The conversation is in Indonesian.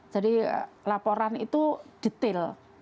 jadi laporan itu detail